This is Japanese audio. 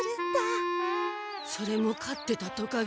それも飼ってたトカゲ？